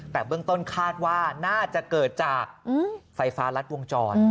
แต่เบื้องต้นคาดว่าน่าจะเกิดจากไฟฟ้ารัดวงจร